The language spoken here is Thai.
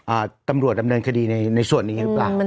ตำรวจดำเนินคดีในในส่วนนี้หรือเปล่า